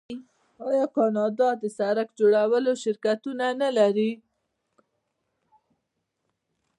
آیا کاناډا د سړک جوړولو شرکتونه نلري؟